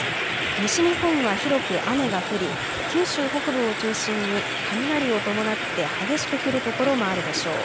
西日本は広く雨が降り九州北部を中心に雷を伴って激しく降る所もあるでしょう。